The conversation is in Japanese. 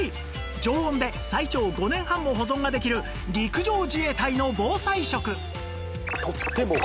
常温で最長５年半も保存ができる陸上自衛隊の防災食